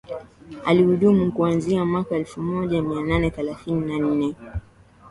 Alihudumu kuanziaa mwaka elfu moja mia nane thelathini na nne